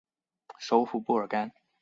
首府布尔干。